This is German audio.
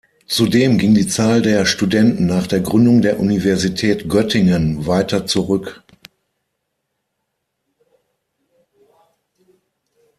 Zudem ging die Zahl der Studenten nach der Gründung der Universität Göttingen weiter zurück.